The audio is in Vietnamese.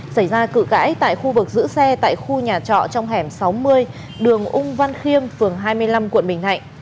xảy ra cự cãi tại khu vực giữ xe tại khu nhà trọ trong hẻm sáu mươi đường ung văn khiêm phường hai mươi năm quận bình thạnh